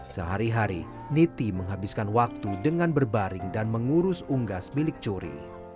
sehari hari niti menghabiskan waktu dengan berbaring dan mengurus unggas milik curi